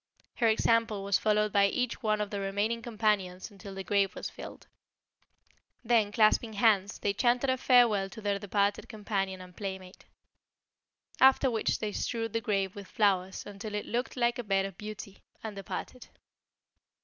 Her example was followed by each one of the remaining companions until the grave was filled. Then clasping hands, they chanted a farewell to their departed companion and playmate. After which they strewed the grave with flowers until it looked like a bed of beauty, and departed.